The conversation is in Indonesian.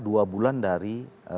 dua bulan dari